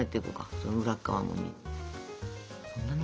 その裏っ側も。